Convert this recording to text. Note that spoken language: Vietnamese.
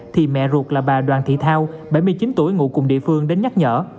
thì mẹ ruột là bà đoàn thị thao bảy mươi chín tuổi ngụ cùng địa phương đến nhắc nhở